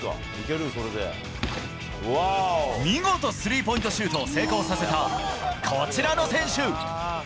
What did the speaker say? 見事、スリーポイントシュートを成功させた、こちらの選手。